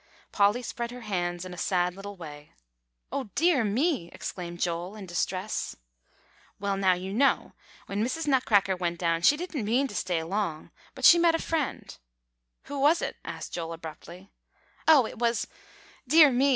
Polly spread her hands in a sad little way. "Oh, dear me!" exclaimed Joel in distress. "Well, now you know when Mrs. Nutcracker went down she didn't mean to stay long, but she met a friend," "Who was it?" asked Joel abruptly. "Oh, it was dear me!"